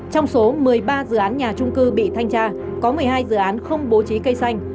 trong số một mươi ba dự án nhà trung cư bị thanh tra có một mươi hai dự án không bố trí cây xanh